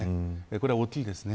これは大きいですね。